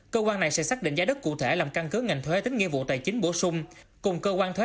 cơ quan này sẽ xác định giá đất cụ thể làm căn cứ ngành thuế